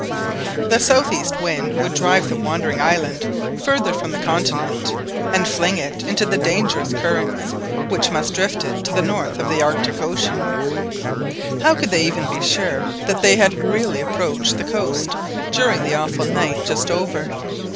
The south east wind would drive the wandering island farther from the continent, and fling it into the dangerous currents, which must drift it to the north of the Arctic Ocean. How could they even be sure that they had really approached the coast during the awful night just over.